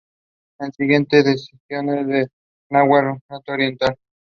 Alia learns about the conspiracy but fails to prove it to Alok.